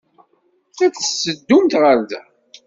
La d-tetteddumt ɣer da?